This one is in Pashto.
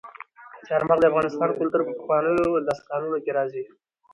چار مغز د افغان کلتور په پخوانیو داستانونو کې راځي.